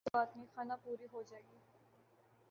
چلو کوئی بات نہیں خانہ پوری ھو جاے گی